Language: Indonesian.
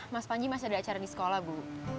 mas panji masih ada acara di sekolah bu